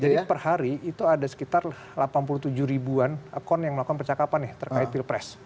jadi per hari itu ada sekitar delapan puluh tujuh ribuan akun yang melakukan percakapan nih terkait pilpres